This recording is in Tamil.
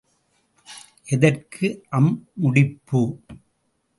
எதற்கு அம் முடிப்பு?